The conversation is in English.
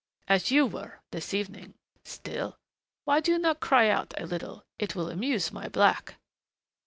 As you were, this evening.... Still, why do you not cry out a little? It will amuse my black."